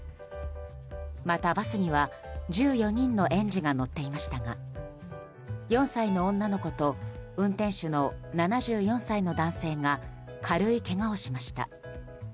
また、バスには１４人の園児が乗っていましたが４歳の女の子と運転手の７４歳の男性が軽いけがをしました。